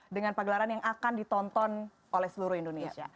dengan pagelaran yang akan ditonton oleh seluruh indonesia